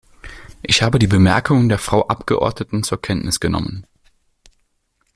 Ich habe die Bemerkungen der Frau Abgeordneten zur Kenntnis genommen.